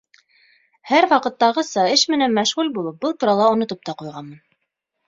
Һәр ваҡыттағыса, эш менән мәшғүл булып, был турала онотоп та ҡуйғанмын.